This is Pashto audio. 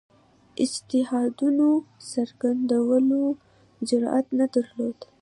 د اجتهادونو څرګندولو جرئت نه درلود